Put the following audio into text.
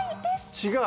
違う。